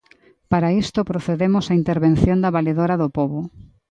Para isto, procedemos á intervención da valedora do pobo.